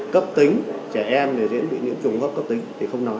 cấp tính trẻ em thì dễ bị những trùng gốc cấp tính thì không nói